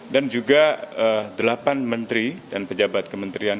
dan juga delapan menteri dan pejabat kementerian